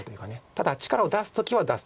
ただ力を出す時は出すという。